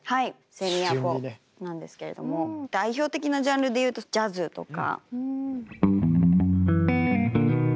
セミアコなんですけれども代表的なジャンルでいうとジャズとか。